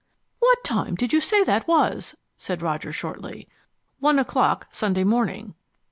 "What time did you say that was?" said Roger shortly. "One o'clock Sunday morning."